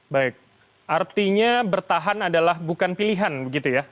baik artinya bertahan adalah bukan pilihan begitu ya